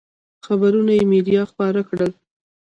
خبرونه یې مېډیا خپاره کړل.